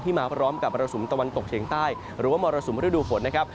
มาพร้อมกับมรสุมตะวันตกเฉียงใต้หรือว่ามรสุมฤดูฝนนะครับ